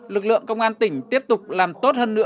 lực lượng công an tỉnh tiếp tục làm tốt hơn nữa